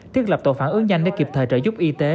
thiết lập tổ phản ứng nhanh để kịp thời trợ giúp y tế